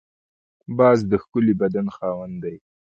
باز د ښکلي بدن خاوند دی